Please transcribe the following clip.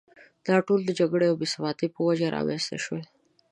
دا ټول د جګړې او بې ثباتۍ په وجه رامېنځته شول.